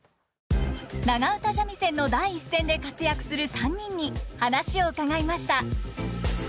長唄三味線の第一線で活躍する３人に話を伺いました。